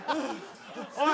おい！